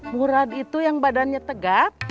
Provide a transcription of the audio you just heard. murad itu yang badannya tegak